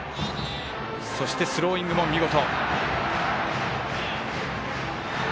そして、スローイングも見事。